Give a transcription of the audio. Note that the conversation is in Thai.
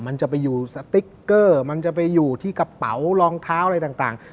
มันจะไปอยู่สติ๊กเกอร์มันจะไปอยู่ที่กระเป๋ารองเท้าอะไรต่าง